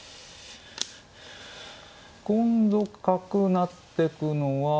今度角成ってくのは。